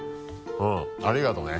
うんありがとね。